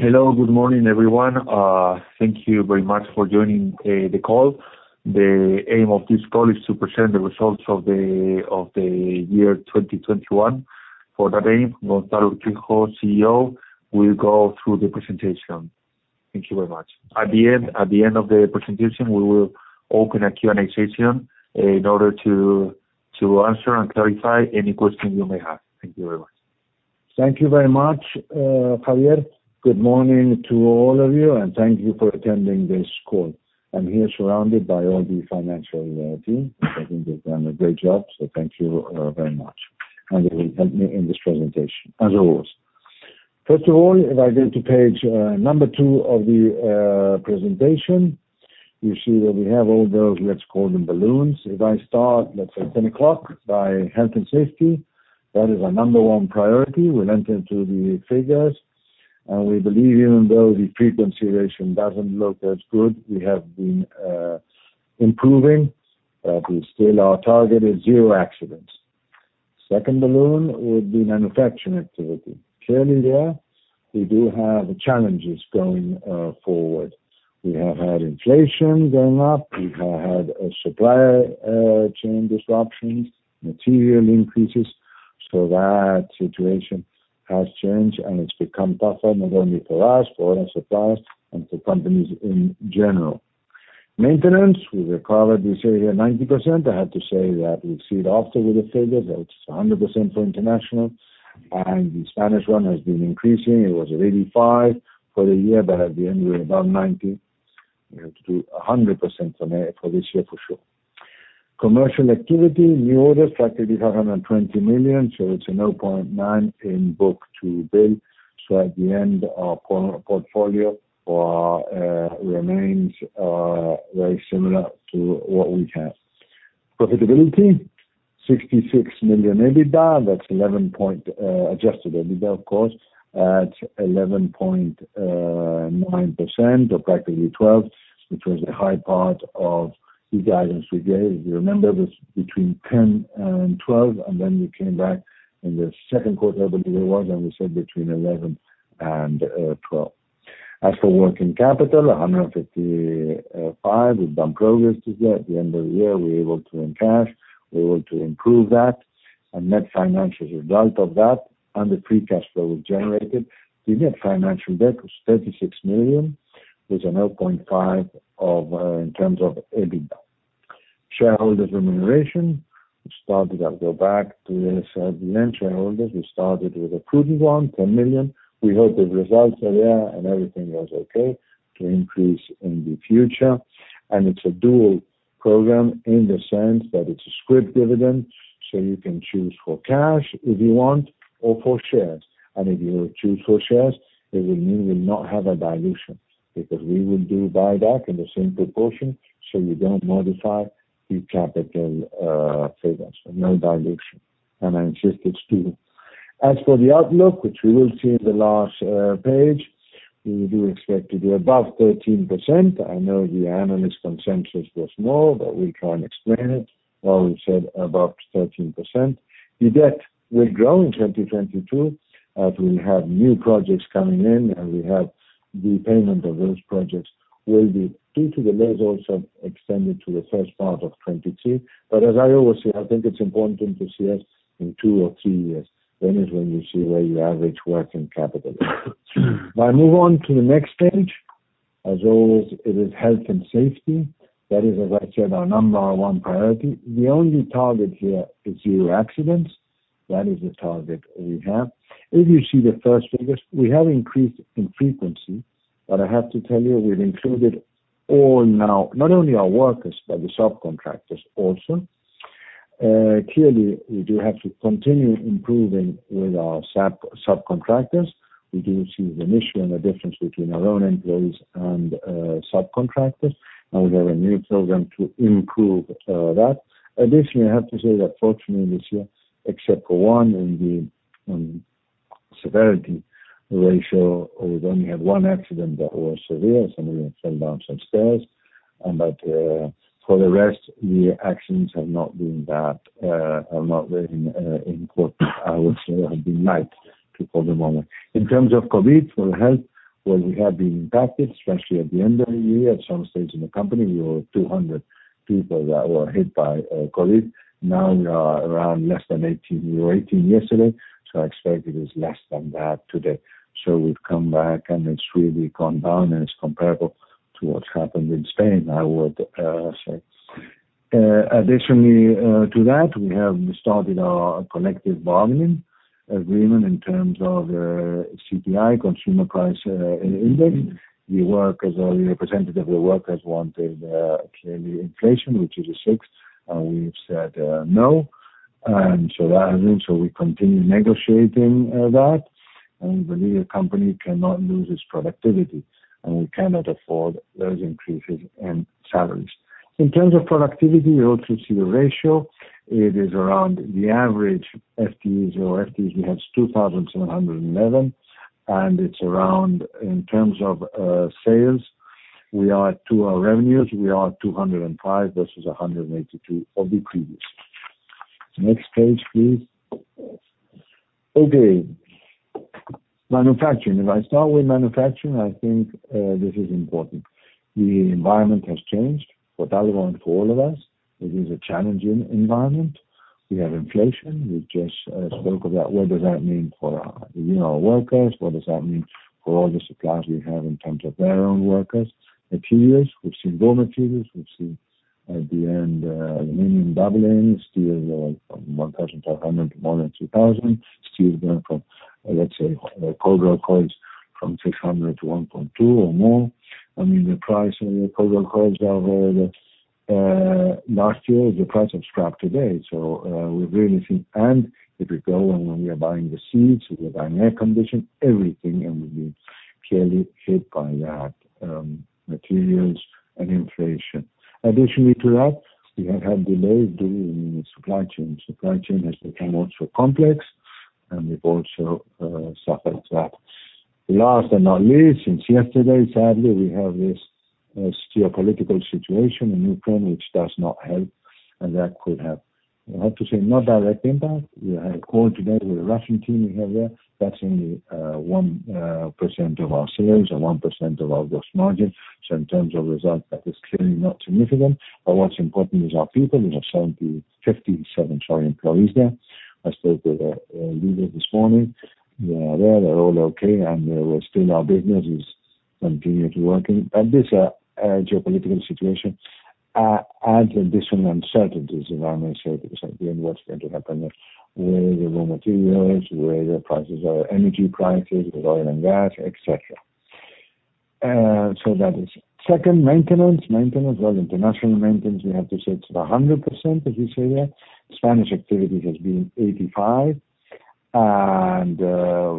Hello. Good morning, everyone. Thank you very much for joining the call. The aim of this call is to present the results of the year 2021. For that aim, Gonzalo Urquijo, CEO, will go through the presentation. Thank you very much. At the end of the presentation, we will open a Q&A session in order to answer and clarify any question you may have. Thank you very much. Thank you very much, Javier. Good morning to all of you and thank you for attending this call. I'm here surrounded by all the financial team. I think they've done a great job, so thank you very much. They will help me in this presentation as always. First of all, if I go to page number 2 of the presentation, you see that we have all those, let's call them balloons. If I start, let's say 10 o'clock by health and safety, that is our number one priority. We'll enter into the figures. We believe even though the frequency ratio doesn't look as good, we have been improving, but still our target is zero accidents. Second balloon would be manufacturing activity. Clearly there, we do have challenges going forward. We have had inflation going up. We have had a supplier chain disruptions, material increases, so that situation has changed, and it's become tougher, not only for us, for other suppliers and for companies in general. Maintenance, we recovered this area 90%. I have to say that we see it after with the figures that it's 100% for international. The Spanish one has been increasing. It was at 85% for the year, but at the end we're about 90%. We have to do 100% for this year for sure. Commercial activity, new orders, practically 520 million, so it's a 0.9 book-to-bill. At the end, our portfolio remains very similar to what we have. Profitability, 66 million EBITDA, that's 11 point. Adjusted EBITDA, of course, at 11.9% or practically 12%, which was the high part of the guidance we gave. If you remember, it was between 10% and 12%, and then we came back in the Q2, I believe it was, and we said between 11% and 12%. As for working capital, 155. We've made progress to that. At the end of the year, we're able to earn cash. We're able to improve that and net financial result of that and the free cash flow we've generated. The net financial debt was 36 million. It's 0.5 of in terms of EBITDA. Shareholder remuneration, which started. I'll go back to this. The main shareholders, we started with a prudent 10 million. We hope the results are there and everything goes okay to increase in the future. It's a dual program in the sense that it's a scrip dividend, so you can choose for cash if you want or for shares. If you choose for shares, it will mean we'll not have a dilution because we will do buyback in the same proportion, so you don't modify the capital figures. No dilution. I insist it's dual. As for the outlook, which we will see in the last page, we do expect to be above 13%. I know the analyst consensus was more, but we'll try and explain it. Well, we said above 13%. The debt will grow in 2022, as we have new projects coming in, and the payment of those projects will be extended to the first part of 2022. As I always say, I think it's important to see us in 2 or 3 years. That is when you see where your average working capital is. If I move on to the next page. As always, it is Health and Safety. That is, as I said, our number one priority. The only target here is 0 accidents. That is the target we have. If you see the first figures, we have increased in frequency. I have to tell you, we've included all now, not only our workers, but the subcontractors also. Clearly, we do have to continue improving with our subcontractors. We do see an issue and a difference between our own employees and subcontractors, and we have a new program to improve that. Additionally, I have to say that fortunately this year, except for one in the severity ratio, we've only had 1 accident that was severe. Somebody fell down some stairs. For the rest, the accidents have not been that important. I would say have been light too for the moment. In terms of COVID, for health, well we have been impacted, especially at the end of the year. At some stage in the company, we were 200 people that were hit by COVID. Now we are around less than 18. We were 18 yesterday, so I expect it is less than that today. We've come back, and it's really gone down, and it's comparable to what's happened in Spain, I would say. Additionally, to that, we have started our collective bargaining agreement in terms of CPI, Consumer Price Index. The workers or the representative of the workers wanted clearly inflation, which is 6%. We've said no. We continue negotiating that and believe the company cannot lose its productivity, and we cannot afford those increases in salaries. In terms of productivity, you also see the ratio. It is around the average FTEs. We have 2,711, and it's around, in terms of sales, we are at 205 versus 182 of the previous. Next page, please. Okay. Manufacturing. If I start with manufacturing, I think, this is important. The environment has changed for Talgo and for all of us. It is a challenging environment. We have inflation. We just spoke about what does that mean for our, you know, workers? What does that mean for all the suppliers we have in terms of their own workers? Materials. We've seen raw materials. We've seen at the end, aluminum doubling, steel from 1,500 to more than 2,000. Steel going from, let's say, cold rolled coils from 600 to 1,200 or more. I mean, the price of the cold rolled coils are the last year's the price of scrap today. We're really seeing... If we go and when we are buying the seats, if we're buying air conditioning, everything, and we're being clearly hit by that, materials and inflation. Additionally, to that, we have had delays in the supply chain. Supply chain has become also complex, and we've also suffered that. Last and not least, since yesterday, sadly, we have this geopolitical situation in Ukraine which does not help and that could have, I have to say, no direct impact. We had a call today with the Russian team we have there. That's only 1% of our sales and 1% of our gross margin. So, in terms of results, that is clearly not significant. What's important is our people. We have 57 employees there. I spoke with a leader this morning. They are there. They're all okay, and our business is continuously working. This geopolitical situation adds additional uncertainties around, let's say, again, what's going to happen next. Where are the raw materials? Where are the prices? Energy prices with oil and gas, et cetera. That is it. Second, maintenance. Maintenance or international maintenance, we have to say it's 100%, as we say that. Spanish activity has been 85%.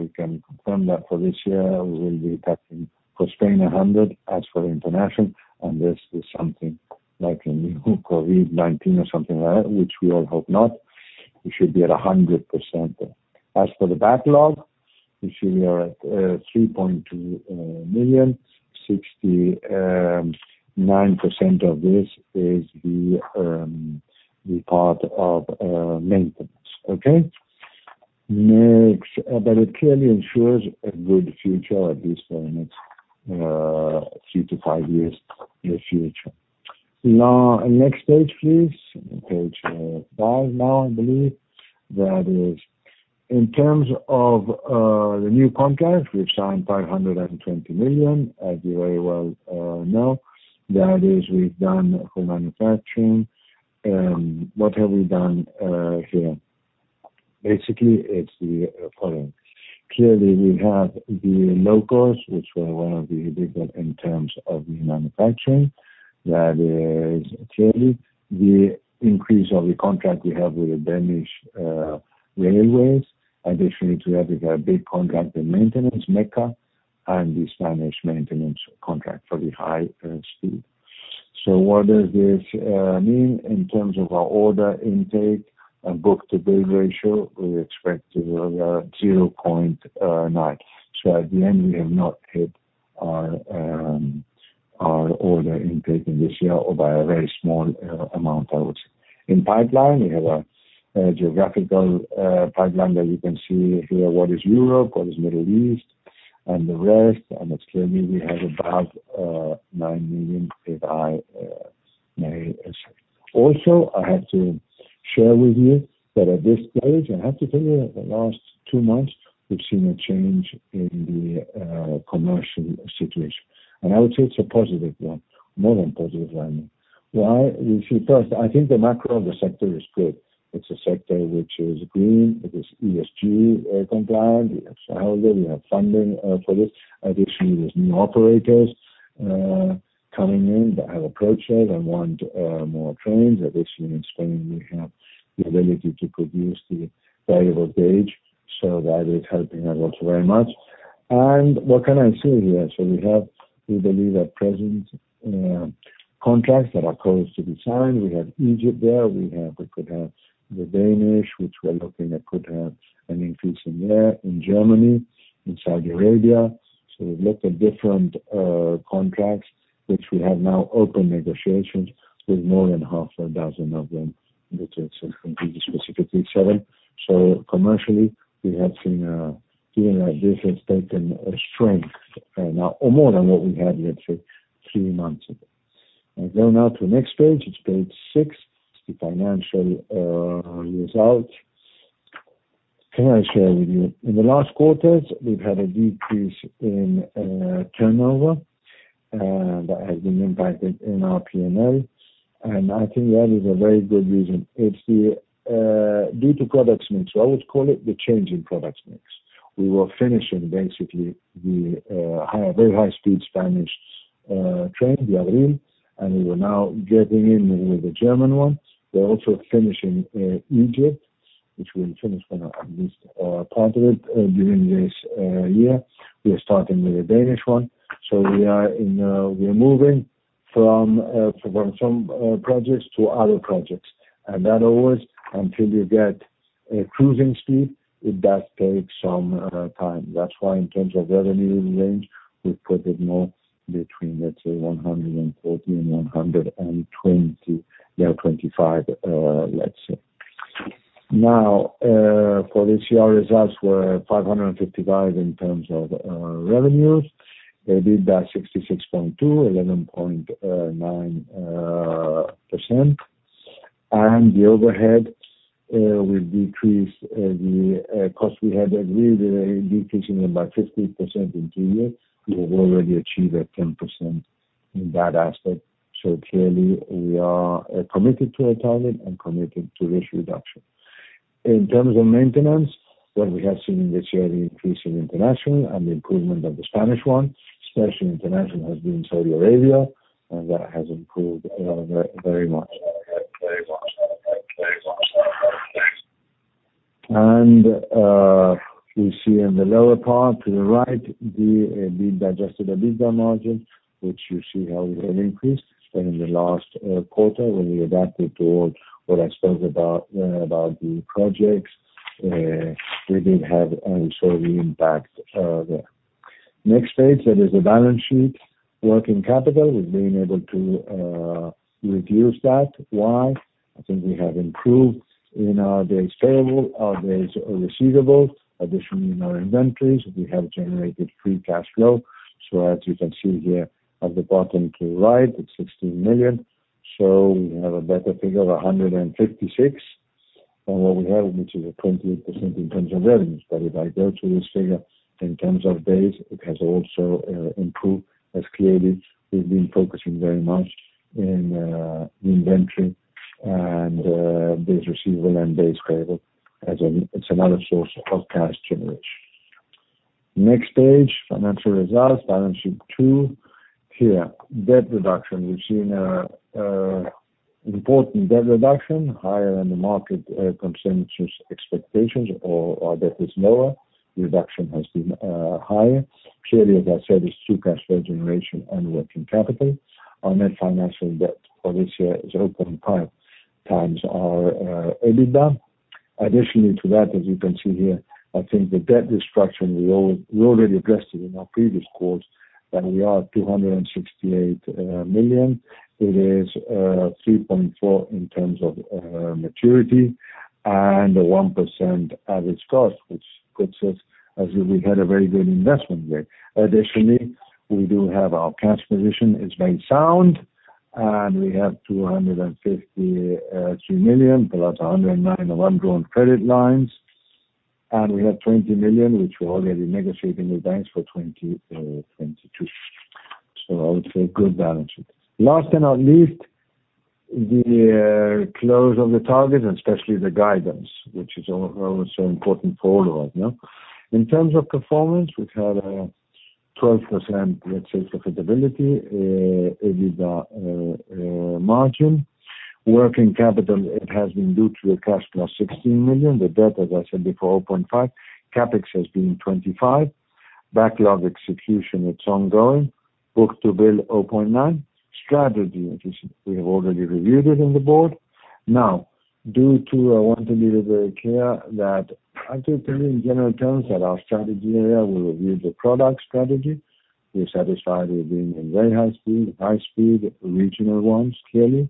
We can confirm that for this year, we will be touching for Spain 100% as for international. Unless there's something like a new COVID-19 or something like that, which we all hope not, we should be at 100%. As for the backlog, we should be at 3.2 million. 69% of this is the part of maintenance. Next. It clearly ensures a good future, at least for the next 3-5 years in the future. Now, next page, please. Page 5 now, I believe. That is in terms of the new contracts we've signed 520 million, as you very well know. That is, we've done for manufacturing. What have we done here? Basically, it's the following. Clearly, we have the Locos, which were one of the bigger in terms of the manufacturing. That is clearly the increase of the contract we have with the Danish railways. Additionally to that, we have a big contract, the maintenance, Mecca, and the Spanish maintenance contract for the high speed. What does this mean in terms of our order intake and book-to-bill ratio? We expect to be around 0.9. At the end, we have not hit our order intake in this year or by a very small amount I would say. In pipeline, we have a geographical pipeline that you can see here, what is Europe, what is Middle East and the rest. Clearly, we have about 9 million, if I may say. Also, I have to share with you that at this stage, I have to tell you that the last two months, we've seen a change in the commercial situation. I would say it's a positive one, more than positive I mean. Why? If you first, I think the macro of the sector is good. It's a sector which is green. It is ESG compliant. We have solar, we have funding for this. Additionally, there's new operators coming in that have approached us and want more trains. Additionally, in Spain, we have the ability to produce the variable gauge, so that is helping us also very much. What can I say here? We have, we believe, at present, contracts that are close to be signed. We have Egypt there. We could have the Danish, which we're looking at, could have an increase in there, in Germany, in Saudi Arabia. We've looked at different contracts, which we have now open negotiations with more than half a dozen of them, which is completely specifically seven. Commercially, we have seen, given that this has gained strength now, more than what we had, let's say, 3 months ago. I go now to the next page. It's page 6. It's the financial results. Can I share with you? In the last quarters, we've had a decrease in turnover that has been impacted in our P&L. I think that is a very good reason. It's due to product mix. I would call it the change in product mix. We were finishing basically the very high-speed Spanish train, the Avril, and we were now getting in with the German ones. We're also finishing Egypt, which we'll finish at least part of it during this year. We are starting with the Danish one. We are moving from projects to other projects. That always, until you get a cruising speed, does take some time. That's why in terms of revenue range, we put it more between, let's say 140 million and 125 million, let's say. Now, for this year results were 555 million in terms of revenues. They did 66.2 million, 11.9%. The overhead, we've decreased the cost we had agreed, decreasing them by 50% in two years. We have already achieved that 10% in that aspect. Clearly, we are committed to our target and committed to this reduction. In terms of maintenance, what we have seen this year, the increase in international and the improvement of the Spanish one. Especially international has been Saudi Arabia, and that has improved very much. We see in the lower part to the right, the adjusted EBITDA margin, which you see how it had increased in the last quarter when we adapted toward what I spoke about the projects. We did have also the impact there. Next page, that is the balance sheet. Working capital, we've been able to reduce that. Why? I think we have improved in our days payable, our days receivables. Additionally, in our inventories, we have generated free cash flow. As you can see here at the bottom to the right, it's 16 million. We have a better figure of 156 than what we had, which is a 28% in terms of revenues. If I go to this figure in terms of days, it has also improved as clearly, we've been focusing very much in the inventory and days receivable and days payable as another source of cash generation. Next page, financial results, Balance Sheet 2. Here, debt reduction. We've seen an important debt reduction higher than the market consensus expectations or our debt is lower. Reduction has been higher. Clearly, as I said, it's through cash flow generation and working capital. Our net financial debt for this year 0.5 times our EBITDA. Additionally, to that, as you can see here, I think the debt restructuring we already addressed it in our previous calls that we are 268 million. It is 3.4 in terms of maturity and a 1% average cost, which puts us as we had a very good investment grade. Additionally, we do have our cash position is very sound, and we have 253 million plus 109 million undrawn credit lines. We have 20 million which we're already negotiating with banks for 2022. I would say good balance sheet. Last but not least, the close of the target and especially the guidance, which is always so important for all of us, no? In terms of performance, we've had 12%, let's say, profitability EBITDA margin. Working capital, it has been due to a cash plus 16 million. The debt, as I said before, 0.5. CapEx has been 25. Backlog execution, it's ongoing. Book-to-bill 0.9. Strategy, which we have already reviewed it in the board. Now, I want to be very clear that I can tell you in general terms that our strategy area will review the product strategy. We're satisfied with being in very high speed, high speed regional ones, clearly.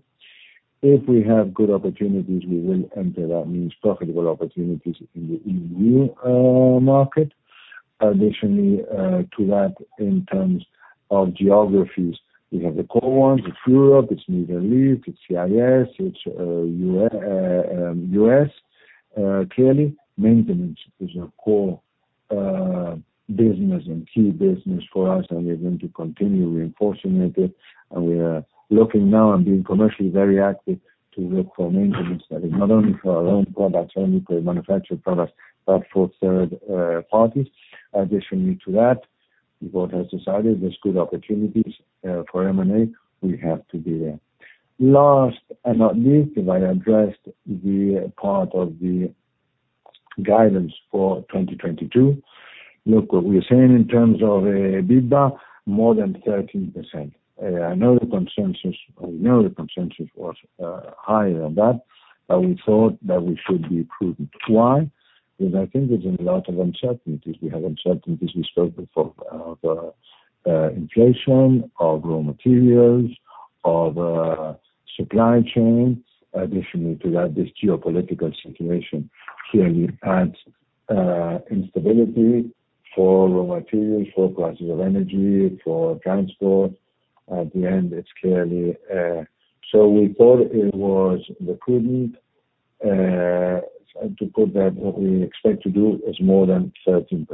If we have good opportunities, we will enter, that means profitable opportunities in the EU market. Additionally, to that in terms of geographies, we have the core ones. It's Europe, it's Middle East, it's CIS, it's U.S., clearly. Maintenance is a core business and key business for us, and we are going to continue reinforcing it. We are looking now and being commercially very active to look for maintenance that is not only for our own products but for third parties. Additionally, to that, the board has decided there's good opportunities for M&A. We have to be there. Last and not least, I'll address the part of the guidance for 2022. Look what we are saying in terms of EBITDA, more than 13%. I know the consensus, or we know the consensus was higher than that, but we thought that we should be prudent. Why? Because I think there's a lot of uncertainties. We have uncertainties we spoke before of inflation, of raw materials, of supply chains. Additionally, to that, this geopolitical situation clearly adds instability for raw materials, for prices of energy, for transport. At the end, it's clearly. So, we thought it was prudent to put that what we expect to do is more than 13%.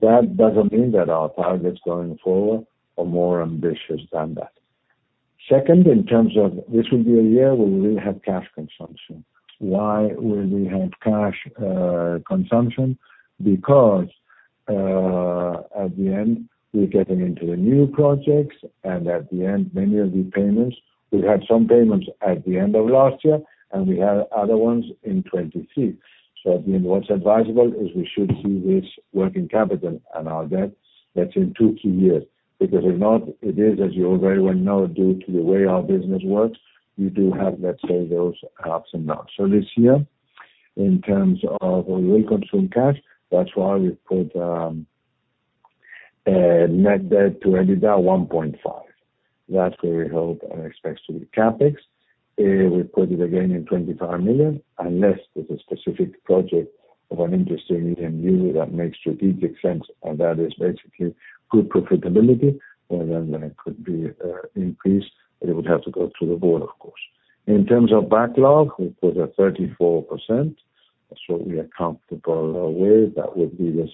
That doesn't mean that our targets going forward are more ambitious than that. Second, in terms of this will be a year where we will have cash consumption. Why will we have cash consumption? At the end, we're getting into the new projects, and at the end, many of these payments, we had some payments at the end of last year, and we have other ones in 2023. At the end, what's advisable is we should see this working capital and our debt that's in 2 to 3 years. If not, it is, as you all very well know, due to the way our business works, we do have, let's say, those ups and downs. This year, in terms of we will consume cash. That's why we put net debt to EBITDA 1.5. That we will hope and expect to be CapEx. We put it again in 25 million, unless there's a specific project of an interesting medium user that makes strategic sense, and that is basically good profitability, and then that could be increased, but it would have to go through the board, of course. In terms of backlog, it was at 34%. That's what we are comfortable with. That would be this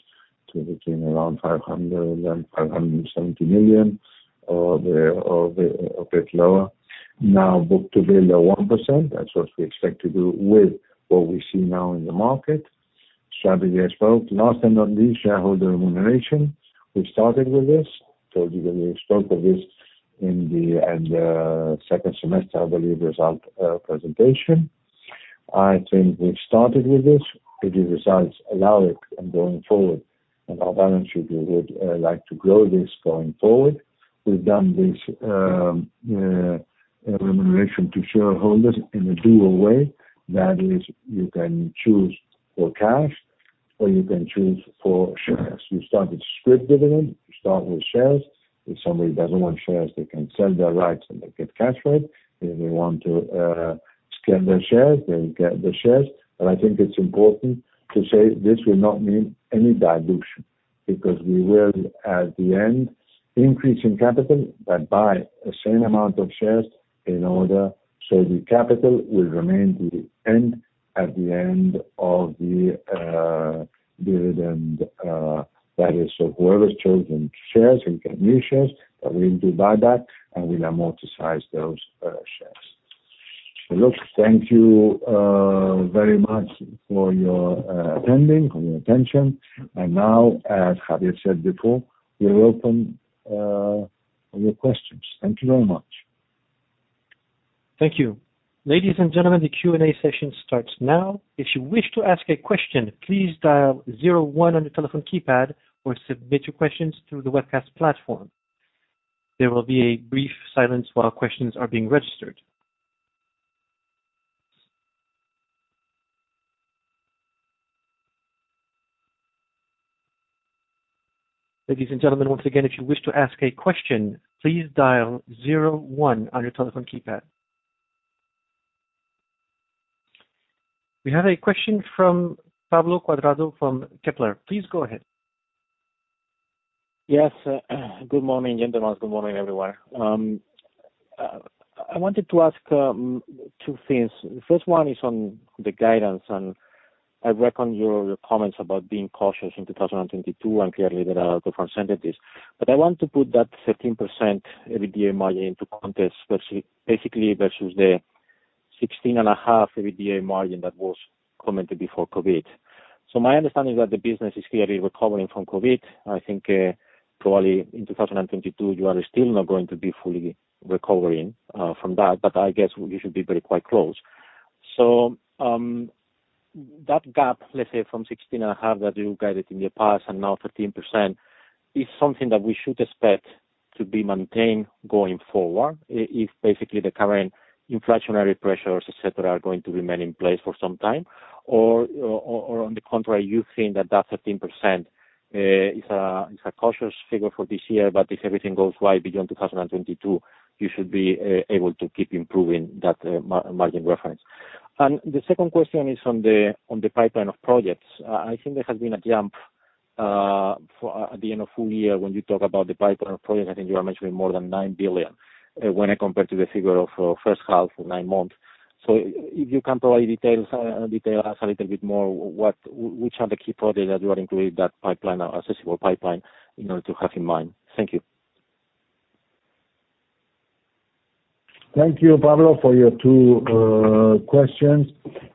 to between around 500 million and 570 million or a bit lower. Now book-to-bill, 1%. That's what we expect to do with what we see now in the market. Strategy I spoke. Last but not least, shareholder remuneration. We started with this. Told you that we spoke of this in the end, second semester, I believe, result presentation. I think we've started with this. If the results allow it and going forward, and our balance sheet, we would like to grow this going forward. We've done this remuneration to shareholders in a dual way. That is, you can choose for cash, or you can choose for shares. We started scrip dividend. We start with shares. If somebody doesn't want shares, they can sell their rights and they get cash for it. If they want to scale their shares, they get the shares. I think it's important to say this will not mean any dilution because we will, at the end, increase in capital but buy the same amount of shares in order so the capital will remain the same at the end of the dividend. That is so whoever's chosen shares and get new shares, but we need to buy back and will amortize those shares. Look, thank you very much for your attendance, for your attention. Now, as Javier said before, we'll open your questions. Thank you very much. Thank you. Ladies and gentlemen, the Q&A session starts now. If you wish to ask a question, please dial zero one on your telephone keypad or submit your questions through the webcast platform. There will be a brief silence while questions are being registered. Ladies and gentlemen, once again, if you wish to ask a question, please dial zero one on your telephone keypad. We have a question from Pablo Cuadrado from Kepler. Please go ahead. Yes. Good morning, gentlemen. Good morning, everyone. I wanted to ask two things. First one is on the guidance, and I reckon your comments about being cautious in 2022, and clearly there are different sensitivities. I want to put that 13% EBITDA margin into context, basically versus the 16.5% EBITDA margin that was commented before COVID. My understanding is that the business is clearly recovering from COVID. I think, probably in 2022, you are still not going to be fully recovering from that, but I guess you should be very close. That gap, let's say from 16.5 that you guided in the past and now 13% is something that we should expect to be maintained going forward if basically the current inflationary pressures, et cetera, are going to remain in place for some time? Or on the contrary, you think that that 13% is a cautious figure for this year, but if everything goes right beyond 2022, you should be able to keep improving that margin reference. The second question is on the pipeline of projects. I think there has been a jump for at the end of full year when you talk about the pipeline of projects. I think you are mentioning more than 9 billion when compared to the figure of H1 or nine months. If you can provide details, tell us a little bit more which are the key projects that you are including that pipeline or accessible pipeline in order to have in mind. Thank you. Thank you, Pablo, for your two questions.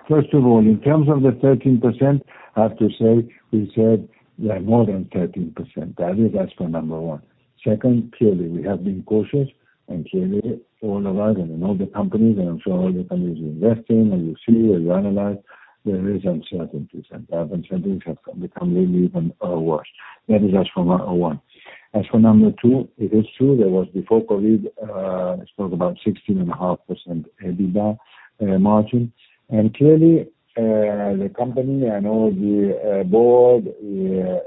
First of all, in terms of the 13%, I have to say we said we are more than 13%. That is as for number one. Second, clearly, we have been cautious and clearly all of us and in all the companies, and I'm sure all the companies investing and you see and you analyze, there is uncertainties. The uncertainties have become really even worse. That is as for number one. As for number two, it is true there was before COVID I spoke about 16.5% EBITDA margin. Clearly, the company and all the board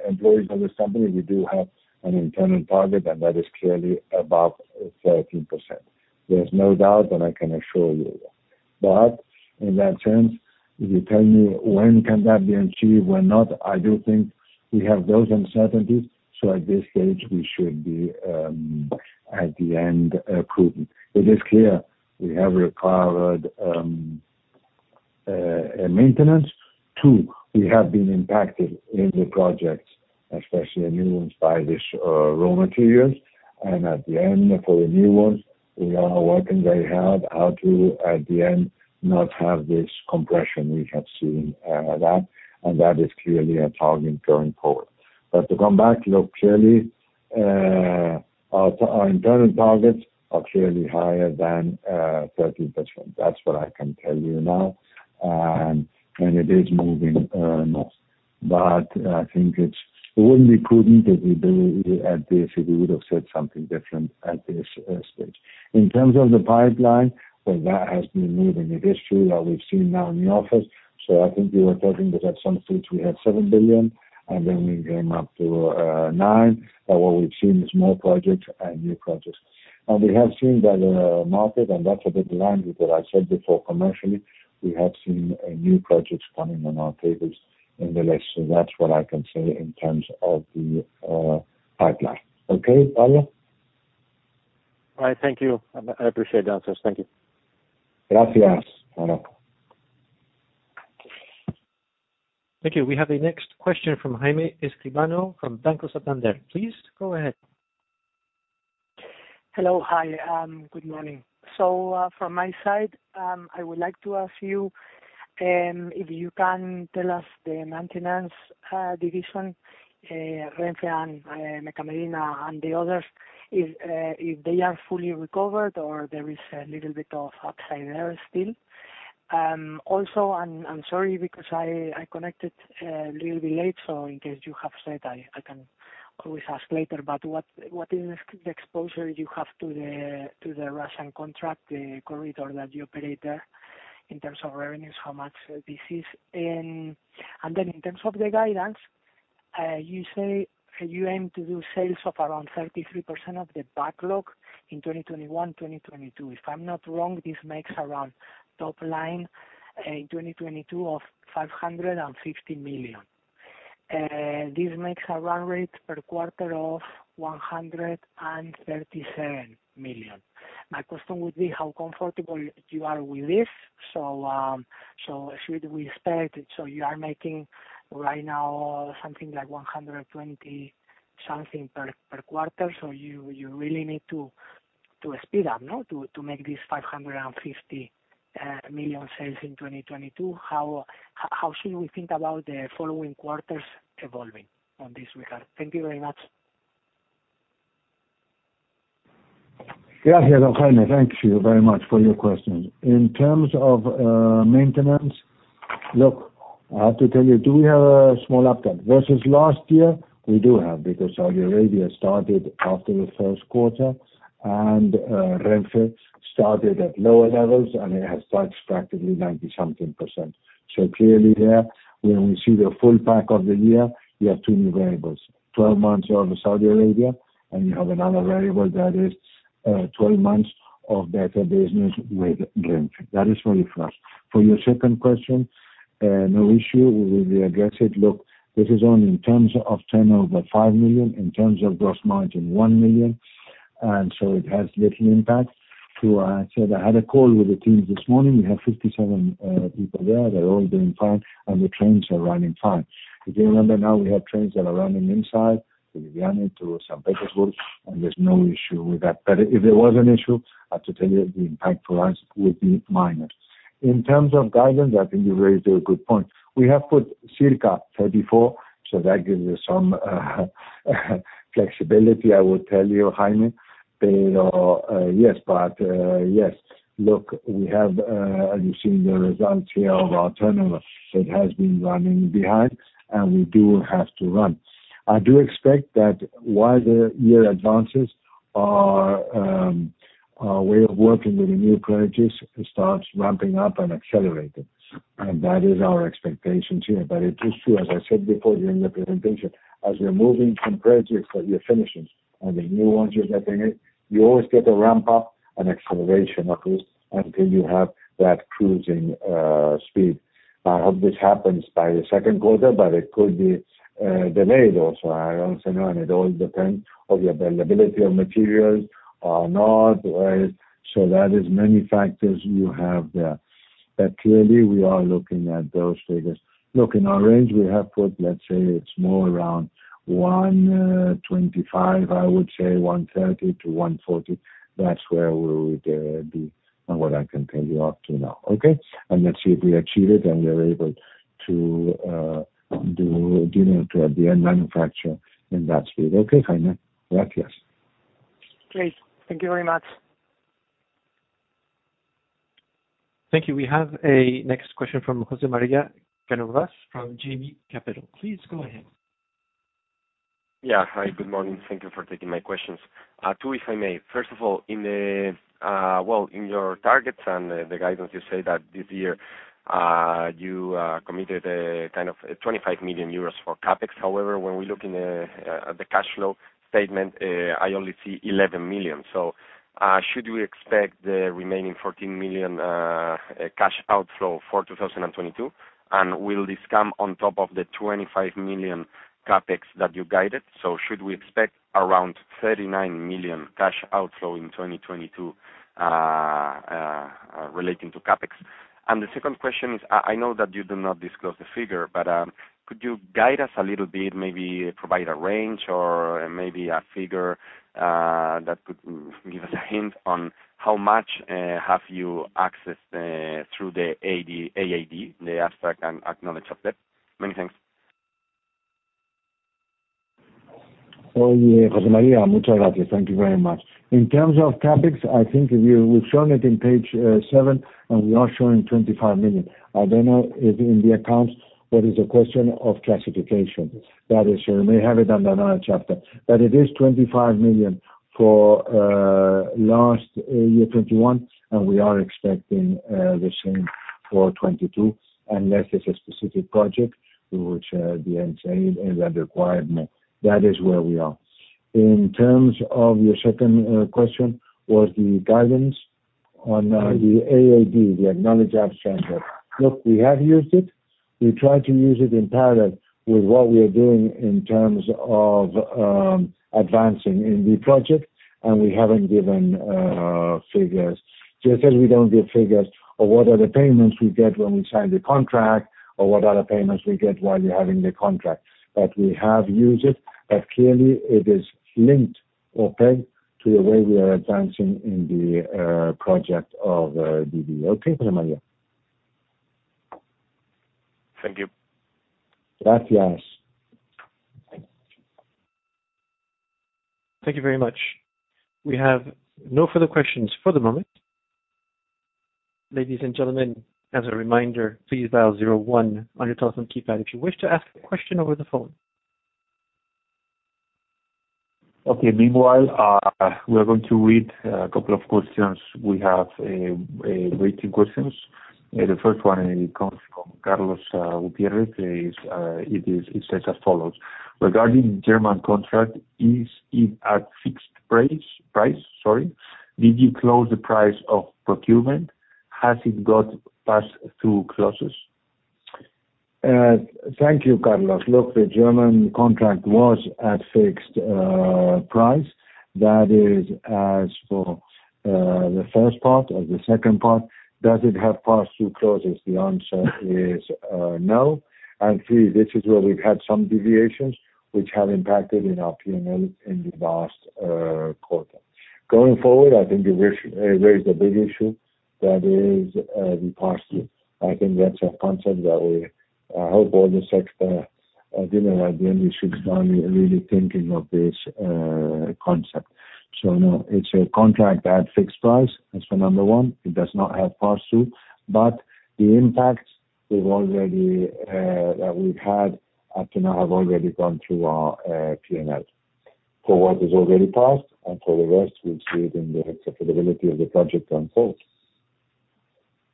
employees of this company, we do have an internal target, and that is clearly above 13%. There's no doubt, and I can assure you of that. In that sense, if you tell me when can that be achieved, we're not. I do think we have those uncertainties, so at this stage we should be, at the end, prudent. It is clear we have required maintenance. Two, we have been impacted in the projects, especially in new ones, by these raw materials. And at the end, for the new ones, we are working very hard how to, at the end, not have this compression we have seen that, and that is clearly a target going forward. To come back, look, clearly, our internal targets are clearly higher than 13%. That's what I can tell you now. And it is moving north. I think it's only prudent we would have said something different at this stage. In terms of the pipeline, that has been moving. It is true that we've seen now in the office. I think we were talking that at some stage we had 7 billion, and then we came up to 9 billion. But what we've seen is more projects and new projects. We have seen that market and that's a bit in line with what I said before commercially, we have seen new projects coming on our tables in the list. That's what I can say in terms of the pipeline. Okay, Pablo? All right, thank you. I appreciate the answers. Thank you. Gracias, Pablo. Thank you. We have the next question from Jaime Escribano from Banco Santander. Please go ahead. Hello. Hi, good morning. From my side, I would like to ask you if you can tell us the maintenance division, Renfe and Mecca-Medina and the others, if they are fully recovered or there is a little bit of upside there still. Also, I'm sorry because I connected a little bit late, so in case you have said, I can always ask later, but what is the exposure you have to the Russian contract, the corridor that you operate there in terms of revenues, how much this is? In terms of the guidance, you say you aim to do sales of around 33% of the backlog in 2021, 2022. If I'm not wrong, this makes around top line in 2022 of 550 million. This makes a run rate per quarter of 137 million. My question would be how comfortable you are with this. Should we expect you are making right now something like 120-something million per quarter. You really need to make these 550 million sales in 2022. How should we think about the following quarters evolving in this regard? Thank you very much. Gracias, Jaime. Thank you very much for your questions. In terms of maintenance, look, I have to tell you, do we have a small uptick? Versus last year, we do have because Saudi Arabia started after the Q1 and Renfe started at lower levels, and it has touched practically 90-something%. Clearly there, when we see the full back of the year, we have two new variables. 12 months you have Saudi Arabia, and you have another variable that is 12 months of better business with Renfe. That is very fast. For your second question, no issue. We will readdress it. Look, this is only in terms of turnover, 5 million, in terms of gross margin, 1 million, and so it has little impact to us. I had a call with the teams this morning. We have 57 people there. They're all doing fine, and the trains are running fine. If you remember now, we have trains that are running to Nizhny Novgorod, to St. Petersburg, and there's no issue with that. If there was an issue, I have to tell you the impact for us would be minor. In terms of guidance, I think you raised a good point. We have put circa 34, so that gives you some flexibility, I would tell you, Jaime. yes, but yes. Look, we have, you've seen the results here of our turnover. It has been running behind, and we do have to run. I do expect that while the year advances, our way of working with the new projects starts ramping up and accelerating. That is our expectations here. It is true, as I said before during the presentation, as we're moving from projects that we are finishing and the new ones you're getting in, you always get a ramp up and acceleration, of course, until you have that cruising speed. I hope this happens by the Q2, but it could be delayed also. I don't say no, and it all depends on the availability of materials or not, right? That is many factors you have there. Clearly, we are looking at those figures. Look, in our range, we have put, let's say, it's more around 125, I would say 130 to 140. That's where we would be and what I can tell you up to now. Okay? Let's see if we achieve it, and we are able to do more to the end manufacturer in that speed. Okay, Jaime. Gracias. Great. Thank you very much. Thank you. We have a next question from José María Cánovas from Jaume Capital. Please go ahead. Yeah. Hi, good morning. Thank you for taking my questions. Two, if I may. First of all, in the, well, in your targets and the guidance, you say that this year, you committed, kind of 25 million euros for CapEx. However, when we look in the cash flow statement, I only see 11 million. Should we expect the remaining 14 million cash outflow for 2022? Will this come on top of the 25 million CapEx that you guided? Should we expect around 39 million cash outflow in 2022 relating to CapEx? The second question is, I know that you do not disclose the figure, but could you guide us a little bit, maybe provide a range or maybe a figure, that could give us a hint on how much have you accessed through the AOD, the Acknowledgement of Debt? Many thanks. José María Thank you very much. In terms of CapEx, I think we've shown it in page seven, and we are showing 25 million. I don't know if in the accounts there is a question of classification. That is, you may have it under another chapter. But it is 25 million for last year, 2021, and we are expecting the same for 2022, unless it's a specific project to which the end sale is under requirement. That is where we are. In terms of your second question was the guidance on the AOD, the Acknowledgement of Debt. Look, we have used it. We try to use it in parallel with what we are doing in terms of advancing in the project, and we haven't given figures. Just as we don't give figures or what are the payments we get when we sign the contract or what are the payments we get while you're having the contract. But we have used it, clearly it is linked or pegged to the way we are advancing in the project of DB. Okay, Emmanuel? Thank you. Thank you very much. We have no further questions for the moment. Ladies and gentlemen, as a reminder, please dial 01 on your telephone keypad if you wish to ask a question over the phone. Okay. Meanwhile, we are going to read a couple of questions. We have written questions. The first one comes from Carlos Upierre. It says as follows: Regarding German contract, is it at fixed price? Price, sorry. Did you close the price of procurement? Has it got pass-through clauses? Thank you, Carlos. Look, the German contract was at fixed price. That is as for the first part or the second part. Does it have pass-through clauses? The answer is no. Three, this is where we've had some deviations which have impacted in our P&L in the last quarter. Going forward, I think you raised a big issue that is the pass-through. I think that's a concept that we hope all the sector you know at the end we should start really thinking of this concept. No, it's a contract at fixed price. That's for number one. It does not have pass-through. But the impact we've already that we've had up to now have already gone through our P&L. For what is already passed, and for the rest we'll see it in the acceptability of the project going forward.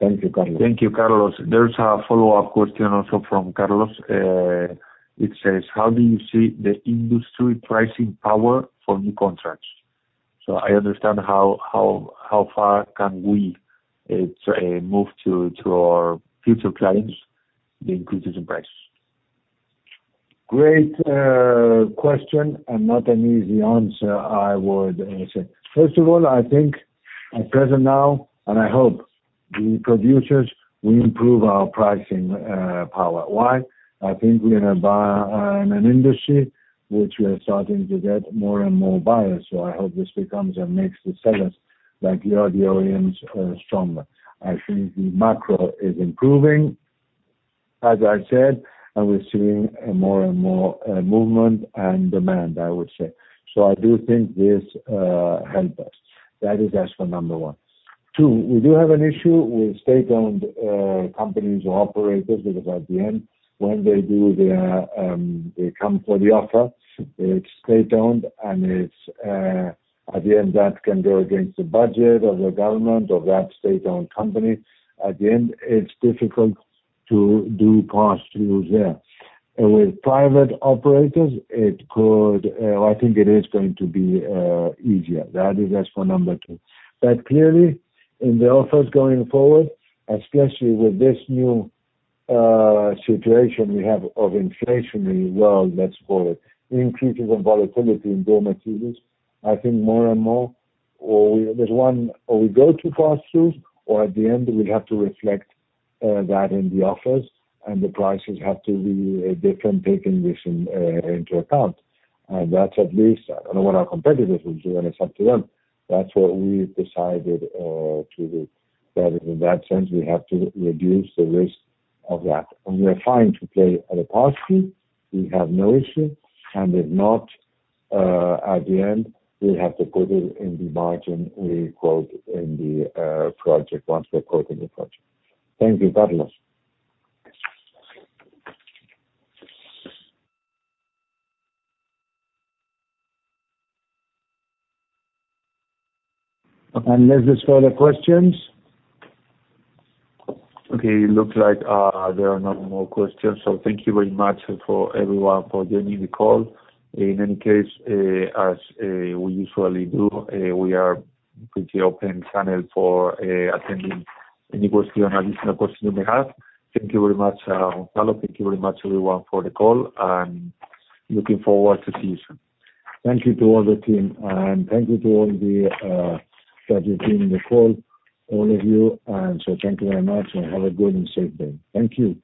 Thank you, Carlos. Thank you, Carlos. There's a follow-up question also from Carlos. It says: How do you see the industry pricing power for new contracts? I understand how far can we say move to our future clients the increases in price. Great question, and not an easy answer, I would say. First of all, I think at present now and I hope the producers will improve our pricing power. Why? I think we are in an industry which we are starting to get more and more buyers, so I hope this becomes and makes the sellers like you, the OEMs, stronger. I think the macro is improving, as I said, and we're seeing more and more movement and demand, I would say. So, I do think this helps us. That is as for number one. Two, we do have an issue with state-owned companies or operators, because at the end, when they do their, they come for the offer, it's state-owned, and it's at the end, that can go against the budget of the government of that state-owned company. At the end, it's difficult to do pass-throughs there. With private operators, it could, or I think it is going to be, easier. That is as for number two. Clearly in the offers going forward, especially with this new situation we have of inflationary world, let's call it, increases in volatility in raw materials, I think more and more, or we go to pass-throughs, or at the end we have to reflect that in the offers and the prices have to be different, taking this into account. That's at least. I don't know what our competitors will do, and it's up to them. That's what we've decided to do. That in that sense, we have to reduce the risk of that. We are fine to play at a pass-through. We have no issue. If not, at the end, we have to put it in the margin we quote in the project once we quote in the project. Thank you, Carlos. Unless there's further questions. Okay. It looks like there are no more questions. Thank you very much for everyone for joining the call. In any case, as we usually do, we are pretty open channel for attending any question, additional question you may have. Thank you very much, Carlos. Thank you very much, everyone for the call, and looking forward to see you soon. Thank you to all the team and thank you to all that have been on the call, all of you. Thank you very much and have a good and safe day. Thank you.